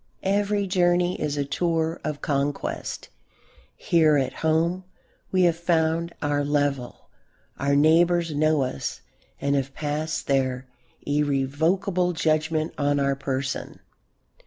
Every journey is a tour of conquest. Here at home we have found our level; our neighbours know us and have passed their irrevocable judgment on our person.